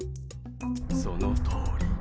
そのとおり。